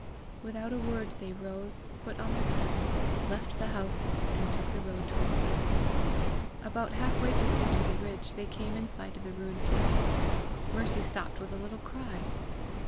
Without a word they rose, put on their hats, left the house, and took the road toward the valley. About half way to the root of the ridge, they came in sight of the ruined castle; Mercy stopped with a little cry.